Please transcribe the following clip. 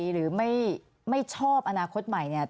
หรือไม่ชอบอนาคตใหม่เนี่ย